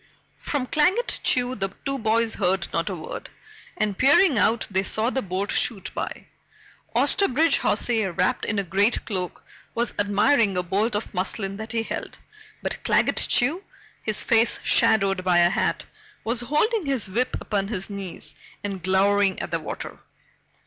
From Claggett Chew the two boys heard not a word, and peering out, they saw the boat shoot by. Osterbridge Hawsey, wrapped in a great cloak, was admiring a bolt of muslin that he held, but Claggett Chew, his face shadowed by a hat, was holding his whip upon his knees and glowering at the water.